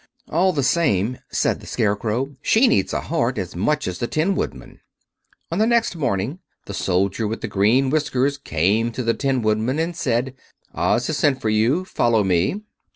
"All the same," said the Scarecrow, "she needs a heart as much as the Tin Woodman." On the next morning the soldier with the green whiskers came to the Tin Woodman and said: "Oz has sent for you. Follow me."